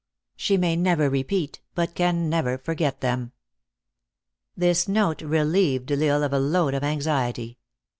She may never repeat, but can never for get them !) This note relieved L Isle of a load of anxiety.